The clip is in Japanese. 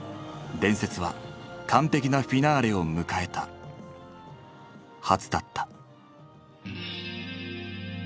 伝説は完璧なフィナーレを迎えたはずだった。